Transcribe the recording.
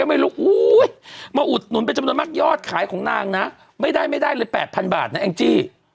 ไม่รู้มาอุดหนุนเป็นจำนวนมากยอดขายของนางนะไม่ได้ไม่ได้เลย๘๐๐บาทนะแองจี้